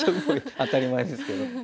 当たり前ですけど。